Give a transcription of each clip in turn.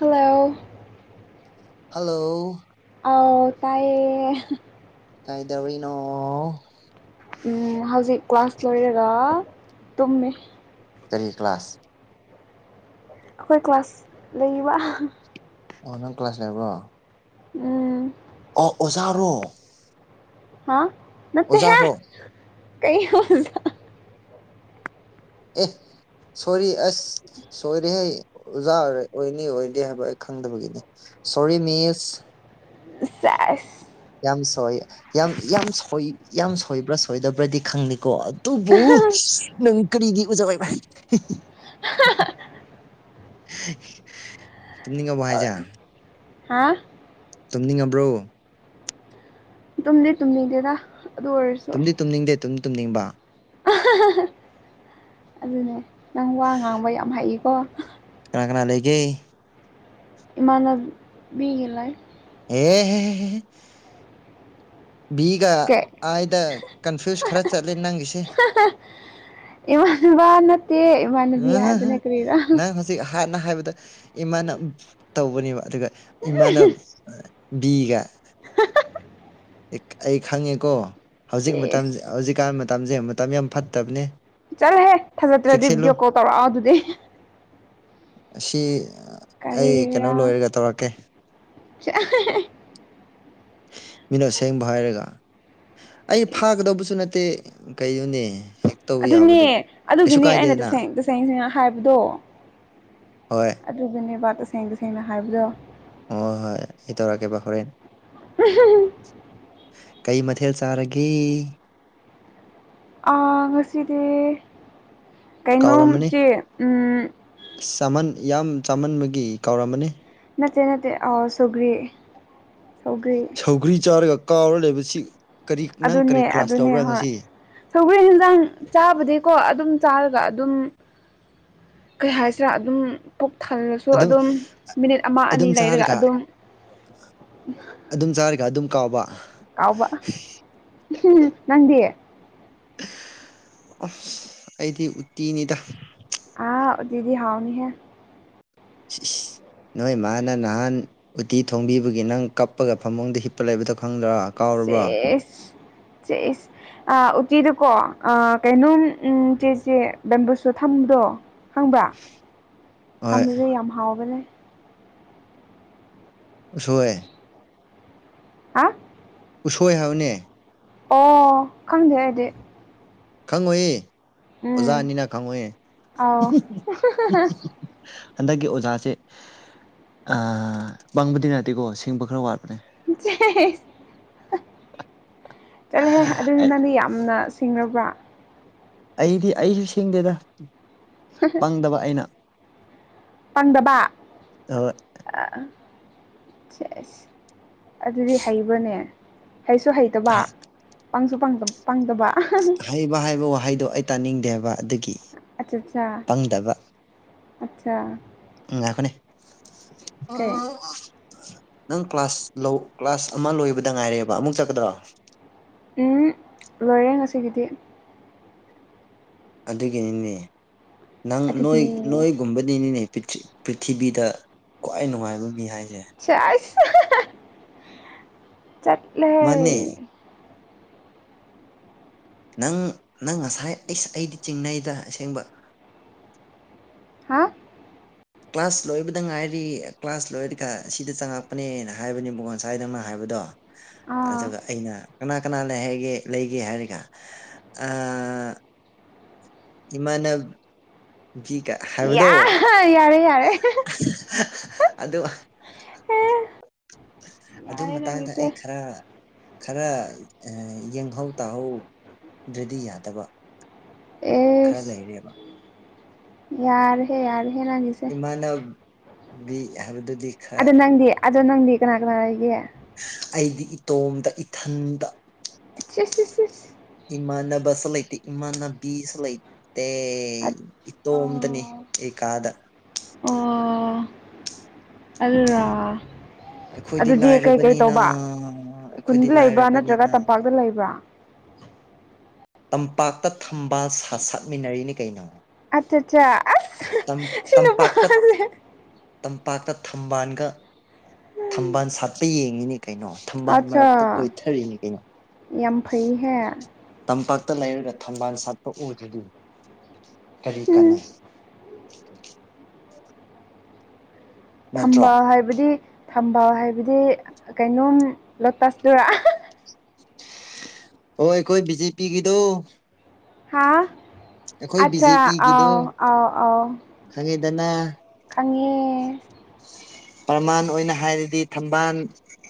hello hello ꯑꯥꯎ ꯇꯥꯏ ꯀꯥꯏꯗꯧꯔꯤꯅꯣ ꯎꯝ ꯍꯧꯖꯤꯛ ꯀ꯭ꯂꯥꯁ ꯂꯣꯏꯔꯒ ꯇꯨꯝꯃꯤ ꯀꯔꯤ ꯀ꯭ꯂꯥꯁ ꯑꯩꯈꯣꯏ ꯀ꯭ꯂꯥꯁ ꯂꯩꯔꯤꯕ ꯑꯣꯟꯂꯥꯏꯟ ꯀ꯭ꯂꯥꯁ ꯂꯩꯕ꯭ꯔꯣ ꯎꯝ ꯑꯣ ꯑꯣꯖꯥꯔꯣ ꯍꯥ ꯅꯠꯇ ꯍꯥꯏꯦ ꯑꯣꯖꯥꯔꯣ ꯀꯩꯅ ꯑꯦ ꯁꯣꯔꯤ ꯑꯁ ꯁꯣꯏꯔꯦꯍ ꯑꯣꯖꯥ ꯑꯣꯏ ꯑꯣꯏꯅꯤ ꯑꯣꯏꯗꯦ ꯍꯥꯏꯕ ꯑꯩ ꯈꯪꯗꯕꯒꯤꯅꯤ ꯁꯣꯔꯤ ꯃꯤꯁ ꯆꯥꯁ ꯌꯥꯝ ꯁꯣꯏ ꯌꯥꯝ ꯌꯥꯝ ꯌꯥꯝ ꯁꯣꯏꯕ꯭ꯔꯥ ꯁꯣꯏꯗꯕ꯭ꯔꯗꯤ ꯈꯪꯅꯤꯀꯣ ꯇꯕꯕꯨ ꯅꯪ ꯀꯔꯤꯒꯤ ꯎꯖꯥꯏꯚ [unintelligible] ꯑꯣ ꯍꯥ ꯇꯨꯝꯅꯤꯡꯉꯕ꯭ꯔꯣ ꯇꯨꯝꯗ ꯇꯨꯝꯅꯤꯡꯗꯦꯗ ꯑꯗꯨ ꯑꯣꯏꯔꯁꯨ ꯇꯨꯝꯗꯤ ꯇꯨꯝꯅꯤꯡꯗꯦ ꯇꯨꯝꯗꯤ ꯇꯨꯝꯅꯤꯡꯕ ꯑꯗꯨꯅꯦ ꯅꯪ ꯋꯥ ꯉꯥꯡꯕ ꯌꯥꯝ ꯍꯩꯏꯀꯣ ꯀꯅꯥ ꯀꯅꯥ ꯂꯩꯒꯦ ꯏꯃꯥꯟꯕꯤ ꯂꯩ ꯍ ꯍ ꯕꯤꯒ ꯀꯩ ꯑꯗ ꯀꯟꯐ꯭ꯌꯨꯁ ꯈꯔ ꯆꯠꯂꯦ ꯅꯪꯒꯤꯁꯦ ꯏꯃꯥꯟꯅꯕ ꯅꯠꯇꯦ ꯏꯃꯅꯕꯤ ꯍꯥꯏꯕꯅꯦ ꯀꯔꯤꯔ ꯍꯧꯛ ꯍꯥꯟꯅ ꯍꯥꯏꯕꯗ ꯏꯃꯥꯅ ꯇꯧꯕꯅꯦꯕ ꯑꯗꯨꯒ ꯏꯃꯥꯅ ꯕꯤꯒ ꯑꯩ ꯈꯪꯉꯦꯀꯣ ꯍꯧꯖꯤꯛ ꯃꯇꯝꯦ ꯆꯦꯁ ꯍꯧꯖꯤꯛꯀꯥꯟ ꯃꯇꯝꯁꯦ ꯃꯇꯝ ꯌꯥꯝ ꯐꯠꯇꯕꯅꯦ ꯆꯠꯂꯍꯦ ꯊꯥꯖꯗ꯭ꯔꯗꯤ ꯆꯦꯛꯁꯤꯜꯂꯨ ꯚꯤꯗꯤꯑꯣ ꯀꯣꯜ ꯇꯧꯔꯛꯑꯣ ꯑꯗꯨꯗꯤ ꯑꯁꯤ ꯑꯩ ꯀꯩꯅꯣ ꯀꯔꯤꯒꯤꯔꯥ ꯂꯣꯏꯔꯒ ꯇꯧꯔꯛꯀꯦ ꯃꯤꯅ ꯑꯁꯦꯡꯕ ꯍꯥꯏꯔꯒ ꯑꯩ ꯏꯁ ꯐꯥꯒꯗꯧꯕꯁꯨ ꯅꯠꯇꯦ ꯀꯩꯗꯨꯅꯦ ꯑꯗꯨꯅꯦ ꯑꯗꯨꯒꯤꯅꯦ ꯑꯩꯅ ꯇꯁꯦꯡ ꯇꯁꯦꯡꯁꯤꯅ ꯍꯥꯏꯕꯗꯣ ꯍꯣꯏ ꯑꯗꯨꯕꯨꯅꯦꯕ ꯇꯁꯦꯡ ꯇꯁꯦꯡꯅ ꯍꯥꯏꯕꯗꯣ ꯑꯣ ꯍꯣꯏ ꯏ ꯇꯧꯔꯒꯦ ꯄ ꯍꯔ ꯎꯝ ꯀꯩ ꯃꯊꯦꯜ ꯆꯥꯔꯒꯦ ꯉꯁꯤꯗꯤ ꯀꯩꯅꯣꯝ ꯀꯥꯎꯔꯝꯃꯅꯤ ꯆꯦ ꯑꯁ ꯆꯃꯟ ꯌꯥꯝ ꯆꯥꯃꯟꯕꯒꯤ ꯀꯥꯎꯔꯝꯃꯅꯤ ꯅꯠꯇꯦ ꯅꯠꯇꯦ ꯑꯥꯎ ꯁꯧꯒ꯭ꯔꯤ ꯁꯧꯒ꯭ꯔꯤ ꯁꯧꯒ꯭ꯔꯤ ꯆꯥꯔꯒ ꯀꯥꯎꯔ ꯂꯩꯕꯁꯤ ꯀꯔꯤ ꯅꯪ ꯀꯔꯤ ꯑꯗꯨꯅꯦ ꯀ꯭ꯂꯥꯁ ꯑꯗꯨꯅꯦ ꯇꯧꯕ꯭ꯔꯥ ꯍꯣꯏ ꯉꯁꯤ ꯁꯧꯒ꯭ꯔꯤ ꯌꯦꯟꯖꯥꯡ ꯆꯥꯕꯗꯤꯀꯣ ꯑꯗꯨꯝ ꯆꯥꯔꯒ ꯑꯗꯨꯝ ꯀꯩ ꯍꯥꯏꯁꯤꯔꯥ ꯑꯗꯨꯝ ꯄꯨꯛ ꯊꯜꯂꯁꯨ ꯑꯗꯨꯝ ꯃꯤꯅꯤꯠ ꯑꯃ ꯑꯅꯤ ꯑꯗꯨꯝ ꯂꯩꯔꯒ ꯆꯥꯔꯒ ꯑꯗꯨꯝ ꯑꯗꯨꯝ ꯆꯥꯔꯒ ꯑꯗꯨꯝ ꯀꯥꯎꯕ ꯀꯥꯎꯕ ꯅꯪꯗꯤ ꯑꯁ ꯑꯩꯗꯤ ꯎꯇꯤꯅꯤꯗ ꯑꯥ ꯎꯇꯤꯗꯤ ꯍꯥꯎꯅꯤꯍꯦ [unintelligible] ꯅꯣꯏ ꯃꯥꯅ ꯅꯍꯥꯟ ꯎꯇꯤ ꯊꯣꯡꯕꯤꯕꯒꯤ ꯅꯪ ꯀꯞꯄꯒ ꯐꯃꯨꯡꯗ ꯍꯤꯞꯄ ꯂꯩꯕꯗꯣ ꯈꯪꯗ꯭ꯔꯣ ꯆꯦꯁ ꯆꯦꯁ ꯑ ꯎꯇꯤꯗꯨꯀꯣ ꯑ ꯀꯩꯅꯣꯝ ꯎꯝ ꯆꯦꯆꯦ ꯕꯦꯝꯕꯨꯁꯨꯠ ꯊꯝꯕꯗꯣ ꯈꯪꯕ꯭ꯔ ꯍꯣꯏ ꯊꯝꯂꯗꯤ ꯌꯥꯝ ꯍꯥꯎꯕꯅꯦ ꯎꯁ‌ꯣꯏ ꯍꯥ ꯎꯁꯣꯏ ꯍꯥꯏꯕꯅꯦ ꯑꯣ ꯈꯪꯗꯦ ꯑꯩꯗꯤ ꯈꯪꯉꯣꯏꯌꯦ ꯑꯣꯖꯥ ꯎꯝ ꯑꯅꯤꯅ ꯈꯪꯉꯣꯏꯌꯦ ꯑꯥꯎ ꯍꯟꯗꯛꯀꯤ ꯑꯣꯖꯥꯁꯦ ꯑ ꯄꯪꯕꯗꯤ ꯅꯠꯇꯦꯀꯣ ꯁꯤꯡꯕ ꯈꯔ ꯋꯥꯠꯄꯅꯦ [unintelligible] ꯆꯠꯂ‌ꯣꯍꯦ ꯑꯗꯨꯗꯤ ꯅꯪꯗꯤ ꯌꯥꯝꯅ ꯁꯤꯡꯔꯕ꯭ꯔꯥ ꯑꯩꯗꯤ ꯑꯩꯁꯨ ꯁꯤꯡꯗꯦꯗ ꯄꯪꯗꯕ ꯑꯩꯅ ꯄꯪꯗꯕ ꯁ‌ꯦꯁ ꯑꯗꯨꯗꯤ ꯍꯩꯕꯔꯅꯦ ꯍꯩꯁꯨ ꯍꯩꯇꯕ ꯍꯩ ꯄꯪꯁꯨ ꯄꯪꯗ ꯄꯪꯗꯕ ꯑꯁ ꯍꯩꯕ ꯍꯥꯏꯕ ꯋꯥꯍꯩꯗꯣ ꯑꯩ ꯇꯥꯅꯤꯡꯗꯦꯕ ꯑꯗꯨꯒꯤ ꯑꯆꯥꯆꯥ ꯄꯪꯗꯕ ꯑꯆꯥ ꯉꯥꯏꯈ‌ꯣꯅꯦ ꯀꯩ ꯅꯪ ꯀ꯭ꯂꯥꯁ ꯂꯧ ꯀ꯭ꯂꯥꯁ ꯑꯃ ꯂꯣꯏꯕꯗ ꯉꯥꯏꯔꯦꯕ ꯑꯃꯨꯛ ꯆꯠꯀꯗ꯭ꯔꯣ ꯎꯝ ꯂꯣꯏꯔꯦ ꯉꯁꯤꯒꯤꯗꯤ ꯑꯗꯨꯒꯤꯅꯤꯅꯦ ꯅꯪ ꯅꯣꯏ ꯑꯗꯨꯒꯤꯅꯦ ꯅꯣꯏꯒꯨꯝꯕꯗꯤꯅꯤꯅꯦ ꯄ꯭ꯔꯤꯊꯤ ꯄ꯭ꯔꯤꯊꯤꯕꯤꯗ ꯈ꯭ꯋꯥꯏ ꯅꯨꯡꯉꯥꯏꯕ ꯃꯤ ꯍꯥꯏꯁꯦ ꯆꯁ [unintelligible] ꯆꯠꯂ‌ꯦ ꯃꯥꯅꯦ ꯅꯪ ꯅꯪ ꯉꯁꯥꯏ ꯑꯩꯁ ꯑꯩꯗꯤ ꯆꯤꯡꯅꯩꯗ ꯑꯁꯦꯡꯕ ꯍꯥꯥ ꯀ꯭ꯂꯥꯁ ꯂꯣꯏꯕꯗ ꯉꯥꯏꯔꯤ ꯀ꯭ꯂꯥꯁ ꯂꯣꯏꯔꯒ ꯁꯤꯗ ꯆꯪꯉꯛꯄꯅꯦꯅ ꯍꯥꯏꯕꯅꯤ ꯉꯁꯥꯏ ꯅꯪꯅ ꯍꯥꯏꯕꯗꯣ ꯑꯥ ꯑꯗꯨꯒ ꯑꯩꯅ ꯀꯅꯥ ꯀꯅꯥ ꯂꯩ ꯍꯥꯏꯒꯦ ꯂꯩꯒꯦ ꯍꯥꯏꯔꯒ ꯑꯥ ꯏꯃꯥꯟꯅꯞ ꯕꯤꯒ ꯍꯥꯏꯕꯗꯣ ꯌꯥ ꯌꯥꯔꯦ ꯌꯥꯔꯦ [unintelligible] ꯑꯗꯨ ꯑꯗꯨ ꯌꯥꯔꯦ ꯃꯇꯥꯡꯗ ꯅꯪꯒꯤꯁꯦ ꯑꯩ ꯈꯔ ꯈꯔ ꯑ ꯌꯦꯡꯍꯧ ꯇꯥꯍꯧꯗ꯭ꯔꯗꯤ ꯌꯥꯗꯕ ꯈꯔ ꯂꯩꯔꯦꯕ ꯌꯥꯔꯍꯦ ꯌꯥꯔ‌ꯦꯍꯦ ꯅꯪꯒꯤ ꯏꯃꯥꯟꯅꯞ ꯕꯤ ꯍꯥꯏꯕꯗꯨꯗꯤ ꯈꯔ ꯑꯗꯨ ꯅꯪꯗꯤ ꯑꯗꯣ ꯅꯪꯗꯤ ꯀꯅꯥ ꯀꯅꯥ ꯂꯩꯒꯦ ꯑꯩꯗꯤ ꯏꯇꯣꯝꯗ ꯏꯊꯟꯗ ꯑ ꯏꯃꯥꯟꯅ ꯁ ꯂ ꯏꯃꯥꯟꯅ ꯕꯤꯁ ꯂꯩ ꯑꯩ ꯏꯇꯣꯝꯇꯅꯤ ꯑꯣ ꯑꯩ ꯀꯥꯗ ꯑꯣ ꯑꯜ꯭ꯔ ꯑꯩꯈꯣꯏꯗꯤ ꯑꯗꯨꯗꯤ ꯀꯩꯀꯩ ꯂꯥꯏꯔꯕꯅꯤꯅ ꯇꯧꯕ ꯑꯩꯈꯣꯏꯗꯤ ꯈꯨꯟꯗ ꯂꯩꯕ꯭ꯔꯥ ꯂꯥꯏꯔꯕꯅꯤꯅ ꯅꯠꯇ꯭ꯔꯒ ꯇꯝꯄꯥꯛꯇ ꯂꯩꯕ꯭ꯔꯥ ꯇꯝꯄꯥꯛꯇ ꯊꯝꯕ ꯁꯥꯠꯃꯤꯟꯅꯔꯤꯅꯤ ꯀꯩꯅꯣ ꯑꯠꯆꯆꯥ ꯑꯁ ꯁꯤ ꯇꯝꯄꯥꯛꯇ ꯅꯨꯄꯥꯖꯦ ꯇꯝꯄꯥꯛꯇ ꯊꯝꯕꯥꯜꯒ ꯊꯝꯕꯥꯜ ꯁꯥꯠꯄ ꯌꯦꯡꯉꯤꯅꯦ ꯀꯩꯅꯣ ꯊꯝꯕꯥꯜ ꯑꯠꯆꯥ ꯃꯔꯛꯇ ꯀꯣꯏꯊꯔꯤꯅꯦ ꯀꯩꯅꯣ ꯌꯥꯝ ꯐꯩꯍꯦꯛ ꯇꯝꯄꯥꯛꯇ ꯂꯩꯔꯒ ꯊꯝꯕꯥꯜ ꯁꯥꯠꯄ ꯎꯗ꯭ꯔꯗꯤ ꯀꯔꯤ ꯎꯝ ꯀꯥꯟꯅꯩ ꯅꯠꯇ꯭ꯔꯣ ꯊꯝꯕ ꯍꯥꯏꯕꯗꯤ ꯊꯝꯕ ꯍꯥꯏꯕꯗꯤ ꯀꯩꯅꯣꯝ ꯂꯣꯇꯁꯇꯔ ꯍꯣꯏ ꯑꯩꯈꯣꯏ ꯕꯤ ꯖꯦ ꯄꯤ ꯒꯤꯗꯣ ꯍꯥꯥ ꯕꯤ ꯑꯆꯥꯥ ꯑꯥꯎ ꯑꯥꯎ ꯑꯥꯎ ꯈꯪꯉꯗꯅ ꯈꯪꯉꯦ ꯄꯔꯃꯥꯟ ꯑꯣꯏꯅ ꯍꯥꯏꯔꯗꯤ ꯊꯝꯕꯥꯜ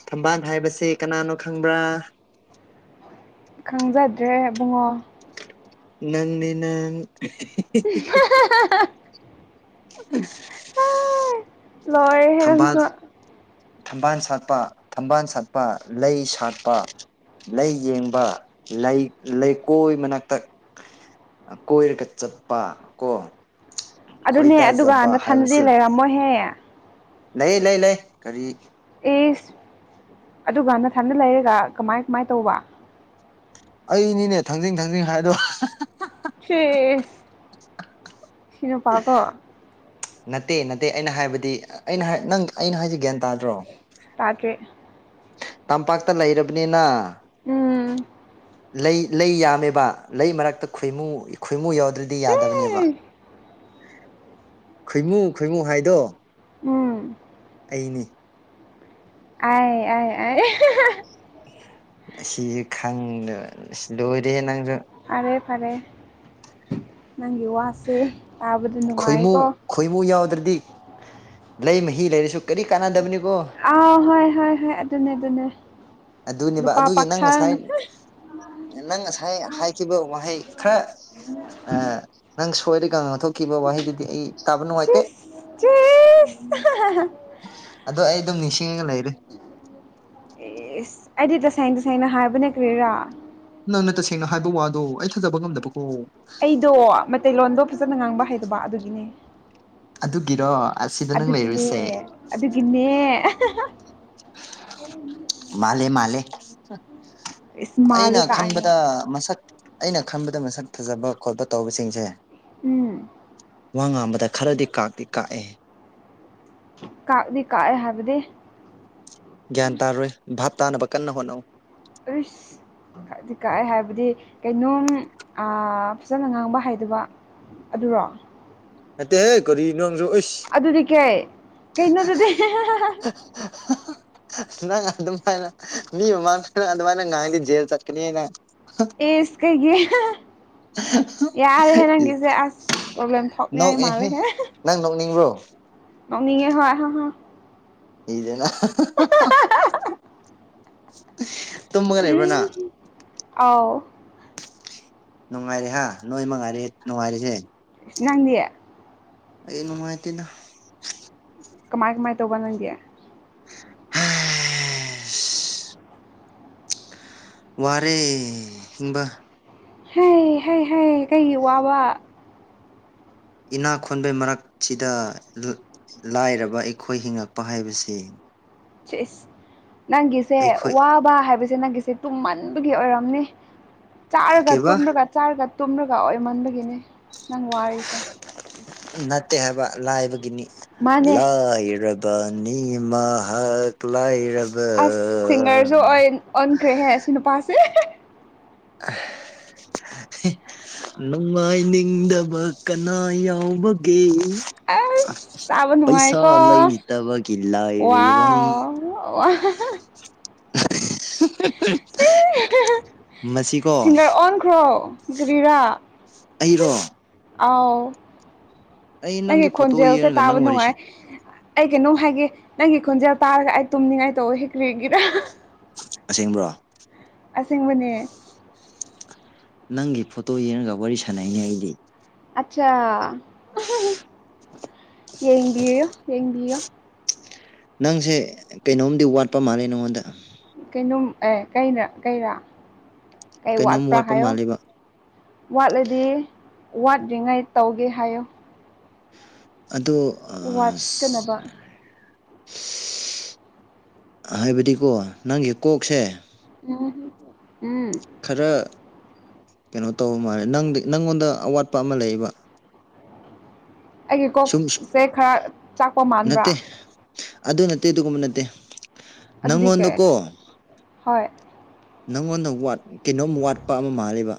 ꯊꯝꯕꯥꯜ ꯍꯥꯏꯕꯁꯦ ꯀꯅꯥꯅꯣ ꯈꯪꯕ꯭ꯔꯥ ꯈꯪꯖꯗ꯭ꯔꯦꯕꯨꯡꯉꯣ ꯅꯪꯅꯤꯅꯪ [unintelligible] ꯎ ꯂꯣꯏꯔꯦ ꯍꯦ ꯊꯝꯕꯥꯜ ꯅꯪꯁꯨ ꯊꯝꯕꯥꯜ ꯁꯥꯠꯄ ꯊꯝꯕꯥꯜ ꯁꯥꯠꯄ ꯂꯩ ꯁꯥꯠꯄ ꯂꯩ ꯌꯦꯡꯕ ꯂꯩ ꯂꯩꯀꯣꯏ ꯃꯅꯥꯛꯇꯛ ꯀꯣꯏꯔꯒ ꯆꯠꯄ ꯀꯣ ꯑꯗꯨꯅꯦ ꯑꯗꯨꯒ ꯈꯣꯏꯗꯥꯖꯕ ꯅꯊꯟꯗꯗꯤ ꯍꯥꯏꯕꯁꯦ ꯂꯩꯔꯝꯃꯣꯍꯦ ꯂꯩ ꯂꯩ ꯂꯩ ꯀꯔꯤ ꯑꯦꯁ ꯑꯗꯨꯒ ꯅꯊꯟꯗ ꯂꯩꯔꯒ ꯀꯃꯥꯏ ꯀꯃꯥꯏꯅ ꯇꯧꯕ ꯑꯩꯅꯤꯅꯦ ꯊꯥꯡꯖꯤꯡ ꯊꯥꯡꯖꯤꯡ ꯍꯥꯏꯗꯣ ꯇꯔꯤꯁ ꯁꯤꯅꯄꯥꯒꯣ ꯅꯠꯇꯦ ꯅꯠꯇꯦ ꯑꯩꯅ ꯍꯥꯏꯕꯗꯤ ꯑꯩꯅ ꯅꯪ ꯑꯩꯅ ꯍꯥꯏꯖꯒ꯭ꯌꯥꯟ ꯇꯥꯗ꯭ꯔꯣ ꯇꯥꯗ꯭ꯔꯦ ꯇꯝꯄꯥꯛꯇ ꯂꯩꯔꯕꯅꯤꯅ ꯎꯝ ꯂꯩ ꯂꯩ ꯌꯥꯝꯃꯦꯕ ꯂꯩ ꯃꯔꯛꯇ ꯈꯣꯏꯃꯨ ꯈꯣꯏꯃꯨ ꯌꯥꯎꯗ꯭ꯔꯗꯤ ꯁꯤ ꯌꯥꯗꯕꯅꯦꯕ ꯈꯣꯏꯃꯨ ꯈꯣꯏꯃꯨ ꯍꯥꯏꯗꯣ ꯎꯝ ꯑꯩꯅꯤ ꯑꯥꯏ ꯑꯥꯏ ꯑꯥꯏ ꯁꯤꯁꯨ ꯈꯪꯗ ꯁꯤ ꯂꯣꯏꯔꯦ ꯅꯪꯁꯨ ꯐꯔꯦ ꯐꯔꯦ ꯅꯪꯒꯤ ꯋꯥꯁꯦ ꯇꯥꯕꯗ ꯈꯣꯏꯃꯨ ꯅꯨꯡꯉꯥꯏꯀꯣ ꯈꯣꯏꯃꯨ ꯌꯥꯎꯗ꯭ꯔꯗꯤ ꯂꯩ ꯃꯍꯤ ꯂꯩꯔꯁꯨ ꯀꯔꯤ ꯀꯥꯟꯅꯗꯕꯅꯤꯀꯣ ꯑꯥꯎ ꯍꯣꯏ ꯍꯣꯏ ꯍꯣꯏ ꯑꯗꯨꯅꯦ ꯑꯗꯨꯅꯦ ꯑꯗꯨꯅꯦꯕ ꯂꯣꯄꯥ ꯑꯗꯨꯒꯤ ꯅꯪ ꯄꯥꯈꯜ ꯉꯁꯥꯏ ꯅꯪ ꯉꯁꯥꯏ ꯍꯥꯏꯈꯤꯕ ꯋꯥꯍꯩ ꯈꯔ ꯑ ꯅꯪ ꯁꯣꯏꯔꯤꯀꯥꯟ ꯉꯥꯡꯊꯣꯛꯈꯤꯕ ꯋꯥꯍꯩꯗꯨꯗꯤ ꯑꯩ ꯇꯥꯕ ꯅꯨꯡꯉꯥꯏꯇꯦ [unintelligible] ꯑꯗꯣ ꯑꯩ ꯑꯗꯨꯝ ꯅꯤꯡꯁꯤꯡꯉꯒ ꯂꯩꯔꯦ ꯑꯦꯁ ꯑꯩꯗꯤ ꯇꯁꯦꯡꯅ ꯇꯁꯦꯡꯅ ꯍꯥꯏꯕꯅꯦ ꯀ꯭ꯔꯦꯔꯥ ꯅꯪꯅ ꯇꯁꯦꯡꯅ ꯍꯥꯏꯕ ꯋꯥꯗꯣ ꯑꯩ ꯊꯥꯖꯕ ꯉꯝꯗꯕꯀꯣ ꯑꯩꯗꯣ ꯃꯇꯩꯇꯩꯂꯣꯟꯗꯣ ꯐꯖꯅ ꯉꯥꯡꯕ ꯍꯩꯗꯕ ꯑꯗꯨꯒꯤꯅꯦ ꯑꯗꯨꯒꯤꯔꯣ ꯑꯁꯤꯗ ꯅꯪ ꯑꯗꯨꯒꯤꯅꯦ ꯂꯩꯔꯨꯁꯦ ꯑꯗꯨꯒꯤꯅꯦ ꯃꯥꯜꯂꯦ ꯃꯥꯜꯂꯦ ꯏꯁ ꯑꯩꯅ ꯃꯥꯜꯂꯦ ꯀꯥꯏꯅ ꯈꯟꯕꯗ ꯃꯁꯛ ꯑꯩꯅ ꯈꯟꯕꯗ ꯃꯁꯛ ꯐꯖꯕ ꯈꯣꯠꯄ ꯇꯧꯕꯁꯤꯡꯁꯦ ꯎꯝ ꯋꯥ ꯉꯥꯡꯕꯗ ꯈꯔꯗꯤ ꯀꯥꯛꯇꯤ ꯀꯥꯛꯑꯦ ꯀꯥꯛꯗꯤ ꯀꯥꯛꯑꯦ ꯍꯥꯏꯕꯗꯤ ꯒ꯭ꯌꯥꯟ ꯇꯥꯔꯣꯏ ꯚꯥꯞ ꯇꯥꯅꯕ ꯀꯟꯅ ꯍꯣꯠꯅꯧ ꯑꯩꯁ ꯍꯥꯏꯗꯤ ꯀꯥꯛꯑꯦ ꯍꯥꯏꯕꯗꯤ ꯀꯩꯅꯣꯝ ꯑꯥ ꯐꯖꯅ ꯉꯥꯡꯕ ꯍꯥꯏꯗꯕ ꯑꯗꯨꯔꯣ ꯅꯠꯇꯦꯍꯦ ꯀꯔꯤ ꯅꯪꯖꯨ ꯑꯩꯁ ꯑꯗꯨꯗꯤ ꯀꯩ ꯀꯩꯅꯣꯗꯨꯗꯤ [unintelligible] ꯅꯪ ꯑꯗꯨꯗꯃꯥꯏꯅ ꯃꯤ ꯃꯤꯃꯥꯡ ꯑꯗꯨꯗꯃꯥꯏꯅ ꯉꯥꯡꯗꯤ ꯖꯦꯜ ꯆꯠꯀꯅꯤ ꯅꯪ ꯏꯁ ꯀꯩꯒꯤ ꯑꯍ ꯍꯝ [unintelligible] ꯌꯥꯔꯦꯍꯦ ꯅꯪꯒꯤꯁꯦ ꯑꯁ ꯄ꯭ꯔꯣꯕ꯭ꯂꯦꯝ ꯊꯣꯛꯅꯤꯡꯉꯥꯏ ꯃꯥꯜꯂꯦ ꯅꯣꯛꯑꯦꯍꯦ ꯍꯦ ꯅꯪ ꯅꯣꯛꯅꯤꯡꯕ꯭ꯔꯣ ꯅꫭꯛꯅꯤꯡꯉꯦ ꯍꯣꯏ ꯍ ꯍ ꯏꯗꯅ ꯇꯨꯝꯃꯒ ꯂꯩꯕ꯭ꯔꯅꯪ ꯎꯝ ꯑꯥꯎ ꯅꯨꯡꯉꯥꯏꯔꯦ ꯍꯥꯥ ꯅꯣꯏ ꯃꯛꯉꯥꯏꯔꯦ ꯅꯨꯡꯉꯥꯏꯔꯤꯁꯦ ꯏꯁ ꯅꯪꯗꯤ ꯑꯩꯗꯤ ꯅꯨꯡꯉꯥꯏꯇꯦꯅ ꯀꯃꯥꯏ ꯀꯃꯥꯏ ꯇꯧꯕ ꯅꯪꯗꯤ ꯍꯩꯁ ꯋꯥꯔꯤ ꯀꯨꯝꯕ ꯍꯩ ꯍꯩ ꯍꯩ ꯀꯩꯒꯤ ꯋꯥꯕ ꯏꯅꯥꯛ ꯈꯨꯟꯕꯩ ꯃꯔꯛꯁꯤꯗ ꯂꯥꯏꯔꯕ ꯑꯩꯈꯣꯏ ꯍꯤꯡꯉꯛꯄ ꯍꯥꯏꯕꯁꯤ ꯏꯁ ꯅꯪꯒꯤꯁꯦ ꯑꯩꯈꯣꯏ ꯋꯥꯕ ꯍꯥꯏꯕꯁꯦ ꯅꯪꯒꯤꯁꯦ ꯇꯨꯝꯃꯟꯕꯒꯤ ꯑꯣꯏꯔꯝꯅꯤ ꯆꯥꯔꯒ ꯀꯩꯕ ꯇꯨꯝꯂꯒ ꯆꯥꯔꯒ ꯇꯨꯝꯔꯒ ꯑꯣꯏꯃꯟꯕꯒꯤꯅꯤ ꯅꯪ ꯋꯥꯔꯤꯁꯦ ꯅꯠꯇꯦ ꯍꯥꯏꯕ ꯂꯥꯏꯕꯒꯤꯅꯤ ꯃꯥꯅꯦ ꯂꯥꯏꯔꯕ ꯕꯅꯤ ꯃꯍꯥꯛ ꯂꯥꯏꯔ ꯑꯁ ꯁꯤꯡꯒꯔꯁꯨ ꯑꯣꯏ ꯑꫭꯟꯈ꯭ꯔꯦꯍꯦ ꯑꯁꯤ ꯅꯨꯄꯥꯁꯦ [unintelligible] ꯅꯨꯡꯉꯥꯏꯅꯤꯡꯗꯕ ꯀꯅꯥ ꯌꯥꯎꯕꯒꯦ ꯑꯁ ꯇꯥꯕ ꯄꯩꯁꯥ ꯅꯨꯡꯉꯥꯏꯀꯣ ꯂꯩꯇꯕꯒꯤ ꯂꯥꯏꯔꯤꯕꯅꯤ ꯋꯥꯎ [unintelligible] ꯃꯁꯤꯀꯣ ꯁꯤꯡꯒꯔ ꯑꯣꯟꯈ꯭ꯔꯣ ꯀꯔꯤꯔ ꯑꯩꯔꯣ ꯑꯥꯎ ꯑꯩ ꯅꯪꯒꯤ ꯐꯣꯇꯣ ꯈꯣꯟꯖꯦꯜꯁꯦ ꯌꯦꯡꯉꯒ ꯇꯥꯕ ꯅꯪ ꯋꯥꯔꯤ ꯅꯨꯡꯉꯥꯏ ꯑꯩ ꯀꯩꯅꯣꯝ ꯍꯥꯏꯒꯦ ꯅꯪꯒꯤ ꯈꯣꯟꯖꯦꯜ ꯇꯥꯔꯒ ꯑꯩ ꯇꯨꯝꯅꯤꯡꯉꯥꯏ ꯇꯧꯋꯦ ꯀꯩꯒꯤꯔꯥ ꯑꯁꯦꯡꯕ꯭ꯔꯣ ꯑꯁꯦꯡꯕꯅꯦ ꯅꯪꯒꯤ ꯐꯣꯇꯣ ꯌꯦꯡꯉꯒ ꯋꯥꯔꯤ ꯁꯥꯟꯅꯩꯅꯦ ꯑꯩꯗꯤ ꯑꯆꯥ ꯌꯦꯡꯕꯤꯌꯣ ꯌꯦꯡꯕꯤꯌꯣ ꯅꯪꯁꯦ ꯀꯩꯅꯣꯝꯗꯤ ꯋꯥꯠꯄ ꯃꯥꯜꯂꯦ ꯅꯪꯉꯣꯟꯗ ꯀꯩꯅꯣꯝ ꯑꯦ ꯀꯩꯅ ꯀꯩꯔꯥ ꯀꯩ ꯀꯩꯅꯣꯝ ꯋꯥꯠꯄ꯭ꯔꯥ ꯋꯥꯠꯄ ꯍꯥꯏꯌꯣ ꯃꯥꯜꯂꯦꯕ ꯋꯥꯠꯂꯗꯤ ꯋꯥꯠꯇ꯭ꯔꯤꯉꯩ ꯇꯧꯒꯦ ꯍꯥꯏꯌꯨ ꯑꯣ ꯋꯥꯠꯀꯅꯕ ꯍꯥꯏꯕꯗꯤꯀꯣ ꯅꯪꯒꯤ ꯀꯣꯛꯁꯦ ꯎꯝ ꯎꯝ ꯈꯔ ꯀꯩꯅꯣ ꯇꯧꯕ ꯃꯥꯜꯂꯦ ꯅꯪꯗꯤ ꯅꯪꯉꯣꯟꯗ ꯑꯋꯥꯠꯄ ꯑꯃ ꯂꯩꯕ ꯑꯩꯒꯤ ꯁꯨꯝ ꯀꯣꯛꯁꯦ ꯈꯔ ꯆꯥꯛꯄ ꯃꯥꯟꯕ꯭ꯔꯥ ꯅꯠꯇꯦ ꯑꯗꯨ ꯅꯠꯇꯦ ꯑꯗꯨꯒꯨꯝꯕ ꯅꯠꯇꯦ ꯑꯗꯨꯗꯤ ꯀꯩ ꯅꯪꯉꯣꯟꯗꯀꯣ ꯍꯣꯏ ꯅꯪꯉꯣꯟꯗ ꯊꯥꯠ ꯀꯩꯅꯣꯝ ꯋꯥꯠꯄ ꯑꯃ ꯃꯥꯜꯂꯦꯕ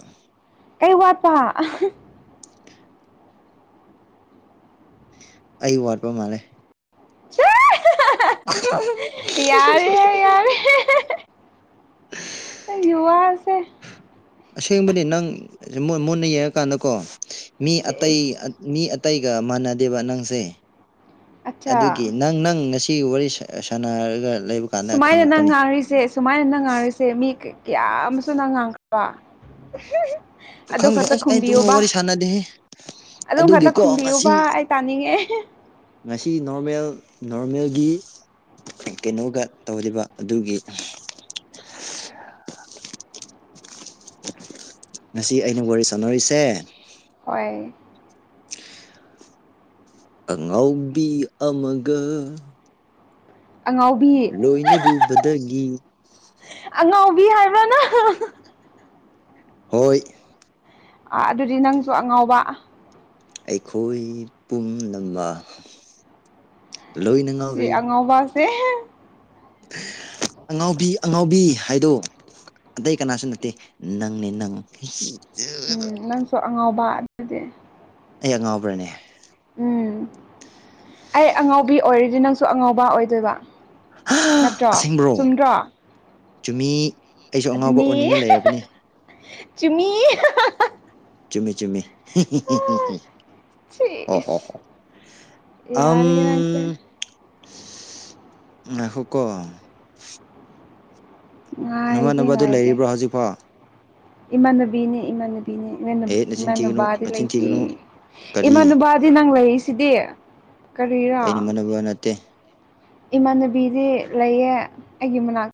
ꯀꯩ ꯋꯥꯠꯇ ꯑꯩ ꯋꯥꯠꯄ ꯃꯥꯜꯂꯦ [unintelligible] [unintelligible] ꯌꯥꯔꯦ ꯍꯦ ꯌꯥꯔꯦ ꯍꯦ ꯅꯪꯒꯤ ꯋꯥꯁꯦ ꯑꯁꯦꯡꯕꯗꯤ ꯅꯪ ꯃꯨꯟꯅ ꯃꯨꯟꯅ ꯌꯦꯡꯉꯀꯥꯟꯗꯀꯣ ꯃꯤ ꯆꯦꯁ ꯑꯇꯩ ꯃꯤ ꯑꯇꯩꯒ ꯃꯥꯟꯅꯗꯦꯕ ꯅꯪꯁꯦ ꯑꯠꯆꯥ ꯑꯗꯨꯒꯤ ꯅꯪ ꯅꯪ ꯉꯁꯤ ꯋꯥꯔꯤ ꯁ ꯁꯥꯟꯅ ꯍꯥꯏꯔꯒ ꯂꯩꯕ ꯀꯥꯟꯗ ꯁꯨꯃꯥꯏꯅ ꯅꯪ ꯈꯪꯉꯛꯄꯅꯤ ꯉꯥꯡꯔꯤꯁꯦ ꯁꯨꯃꯥꯏꯅ ꯅꯪ ꯉꯥꯡꯔꯤꯁꯦ ꯃꯤ ꯀꯌꯥ ꯑꯃꯁꯨ ꯅꯪ ꯉꯥꯡꯈ꯭ꯔꯕ ꯑꯗꯨ ꯈꯪꯗꯦ ꯈꯛꯇ ꯑꯁ ꯑꯩ ꯑꯗꯨꯒꯨꯝꯕ ꯈꯨꯝꯕꯤꯌꯨꯕ ꯋꯥꯔꯤ ꯁꯥꯟꯅꯗꯦꯍꯦ ꯑꯗꯨꯝ ꯈꯛꯇ ꯑꯗꯨꯒꯤꯀꯣ ꯈꯨꯝꯕꯤꯌꯨꯕ ꯉꯁꯤ ꯇꯥꯅꯤꯡꯉꯦ ꯉꯁꯤ ꯅꯣꯔꯃꯦꯜ ꯅꯣꯔꯃꯦꯜꯒꯤ ꯀꯩꯅꯣꯒ ꯇꯧꯔꯤꯕ ꯑꯗꯨꯒꯤ ꯉꯁꯤ ꯑꯩꯅ ꯋꯥꯔꯤ ꯁꯥꯟꯅꯔꯤꯁꯦ ꯍꯣꯏ ꯑꯉꯥꯎꯕꯤ ꯑꯃꯒ ꯑꯉꯥꯎ ꯂꯣꯏꯅꯔꯨꯕꯗꯒꯤ ꯑꯉꯥꯎꯕꯤ ꯍꯥꯏꯕ꯭ꯔꯅ ꯍꯣꯏ ꯑꯗꯨꯗꯤ ꯅꯪꯁꯨ ꯑꯉꯥꯎꯕ ꯑꯩꯈꯣꯏ ꯄꯨꯝꯅꯃꯛ ꯂꯣꯏꯅ ꯁꯤ ꯉꯥꯎꯔꯦ ꯑꯉꯥꯎꯕꯁꯦ ꯑꯉꯥꯎꯕꯤ ꯑꯉꯥꯎꯕꯤ ꯍꯥꯏꯗꯣ ꯑꯇꯩ ꯀꯅꯥꯁꯨ ꯅꯠꯇꯦ ꯅꯪꯅꯦ ꯅꯪ ꯎꯝ ꯅꯪꯁꯨ ꯑꯉꯥꯎꯕ ꯑꯗꯨꯗꯤ ꯑꯩ ꯑꯉꯥꯎꯕ꯭ꯔꯅꯦ ꯎꯝ ꯑꯩ ꯑꯉꯥꯎꯕꯤ ꯑꯣꯏꯔꯤꯗꯤ ꯅꯪꯁꯨ ꯑꯉꯥꯎꯕ ꯑꯣꯏꯗꯣꯏꯕ ꯅꯠꯇ꯭ꯔꯣ ꯑꯁꯦꯡꯕ꯭ꯔꯣ ꯆꯨꯝꯗ꯭ꯔꯣ ꯆꯨꯝꯃꯤ ꯑꯩꯁꯨ ꯑꯉꯥꯎꯕ ꯑꯗꯨꯅꯤ ꯑꯣꯟꯅꯤꯡꯉ ꯂꯩꯔꯕꯅꯦ ꯆꯃꯤ ꯆꯨꯝꯃꯤ ꯆꯨꯝꯃꯤ ꯍꯣ ꯍꯣ ꯁꯤꯁ ꯍꯣ ꯑꯝ ꯌꯥꯔꯦꯍꯦ ꯅꯪꯁꯦ ꯉꯥꯏꯈꯣꯀꯣ ꯉꯥꯏꯒꯦ ꯅꯃꯥꯟꯅꯕꯗꯨ ꯉꯥꯏꯒꯦ ꯂꯩꯔꯤꯕ꯭ꯔꯣ ꯍꯧꯖꯤꯛꯐꯥꯎ ꯏꯃꯥꯟꯅꯕꯤꯅꯦ ꯏꯃꯥꯟꯅꯕꯤ ꯅꯦ ꯃꯦ ꯑꯦ ꯅꯆꯤꯟ ꯃꯦꯅ ꯊꯤꯒꯅꯨ ꯕꯥꯗ ꯅꯆꯤꯟ ꯂꯩꯇ ꯊꯤꯒꯅꯨ ꯀꯔꯤ ꯢꯃꯥꯟꯅ ꯕꯥ ꯑꯗꯨꯗꯤ ꯅꯪ ꯂꯩꯔꯤꯁꯤꯗꯤ ꯀꯔꯤꯔꯥ ꯑꯩ ꯅꯃꯥꯟꯅꯕ ꯅꯠꯇꯦ ꯏꯃꯥꯟꯅꯕꯤꯗꯤ ꯂꯩꯌꯦ ꯑꯩꯒꯤ ꯃꯅꯥꯛꯇ